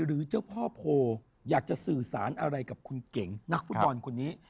หรือเจ้าพ่อโพอยากจะสื่อสารอะไรกับคุณเก่งนักฟุตบอลคนนี้